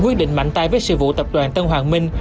quyết định mạnh tay với sự vụ tập đoàn tân hoàng minh